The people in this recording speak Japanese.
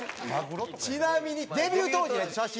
ちなみにデビュー当時の写真。